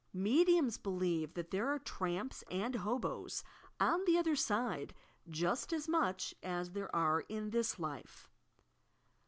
Mediums believe that there are tramps and "hoboes" on the other RJde, just as much as there are in this life.